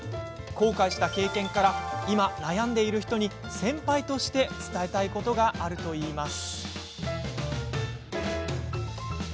後悔した経験から今、悩んでいる人に先輩として伝えたいことがあるといいます。